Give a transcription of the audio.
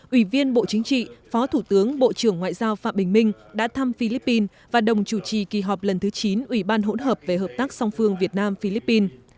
ủy viên bộ chính trị phó thủ tướng bộ trưởng ngoại giao phạm bình minh đã thăm philippines và đồng chủ trì kỳ họp lần thứ chín ủy ban hỗn hợp về hợp tác song phương việt nam philippines